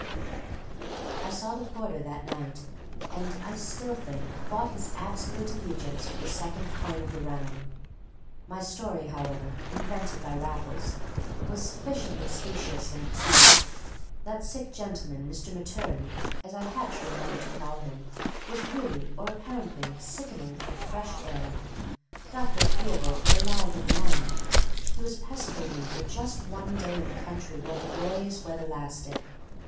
I saw the porter that night, and, I still think, bought his absolute allegiance for the second coin of the realm. My story, however, invented by Raffles, was sufficiently specious in itself. That sick gentleman, Mr. Maturin (as I had to remember to call him), was really, or apparently, sickening for fresh air. Dr. Theobald would allow him none; he was pestering me for just one day in the country while the glorious weather lasted.